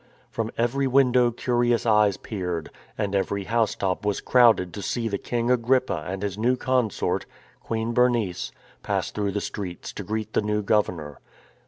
From every window curious eyes peered, and every house top was crowded to see the King Agrippa and his new consort. Queen Bernice, pass through the streets, to greet the new governor.